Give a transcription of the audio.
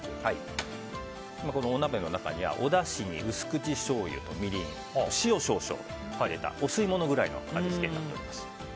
お鍋の中にはおだしに薄口しょうゆ、みりん塩少々を入れたお吸い物ぐらいの味付けになっております。